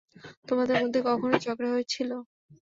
তোমাদের মধ্যে কখনো ঝগড়া হয়েছিল?